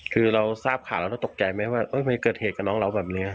คือเราทราบข่าวแล้วเราตกใจไหมว่ามันเกิดเหตุกับน้องเราแบบนี้